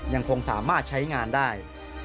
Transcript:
ยังคงสามารถใช้งานได้